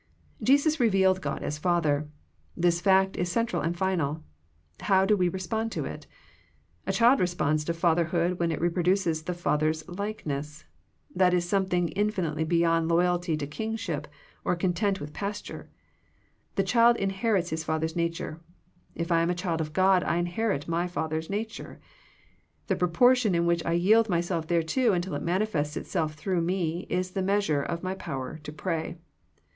Jesus revealed God as Father. This fact is central and final. How do we respond to it ? A child responds to fatherhood when it reproduces the father's likeness. That is something infinitely beyond loyalty to Kingship, or content with pas ture. The child inherits his father's nature. If I am a child of God I inherit my Father's nature. The proportion in which I yield myself thereto until it manifests itself through me is the meas ure of my power to pray.